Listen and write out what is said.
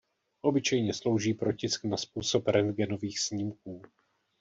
Obyčejně slouží pro tisk na způsob „rentgenových“ snímků.